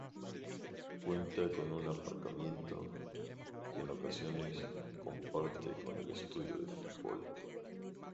Cuenta con un aparcamiento que en ocasiones comparte con el estadio de fútbol.